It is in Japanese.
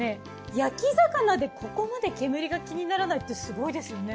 焼魚でここまで煙が気にならないってすごいですよね。